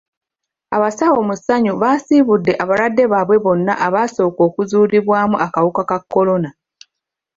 Abasawo mu ssanyu baasiibudde abalwadde baabwe bonna abaasooka okuzuulibwamu akawuka ka kolona.